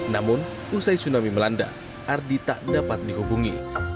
namun usai tsunami melanda ardi tak dapat dihubungi